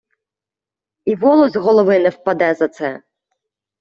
І волос з голови не впаде за це.